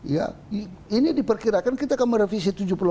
ya ini diperkirakan kita akan merevisi tujuh puluh empat